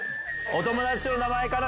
お友達の名前かな？